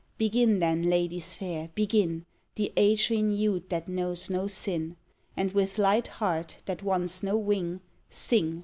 Begin then, ladies fair! begin The age renew'd that knows no sin! And with light heart, that wants no wing, Sing!